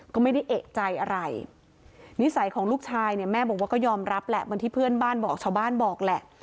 ก็ไม่ได้เอกใจอะไรนิสัยของลูกชายเนี่ยแม่บอกว่าก็ยอมรับแหละเหมือนที่เพื่อนบ้านบอกชาวบ้านบอกแหละ